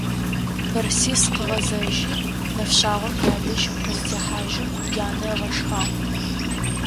Бэрсис къыгъэзэжьи, нэфшъагъом ядэжь къыздэхьажьым янэ ыгъэшхагъ.